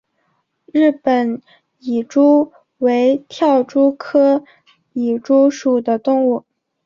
日本蚁蛛为跳蛛科蚁蛛属的动物。